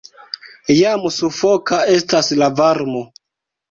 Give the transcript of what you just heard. Jam sufoka estas la varmo.